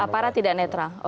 aparat tidak netral